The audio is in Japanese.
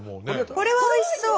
これはおいしそう。